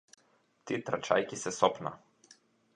Ти трчајќи се сопна.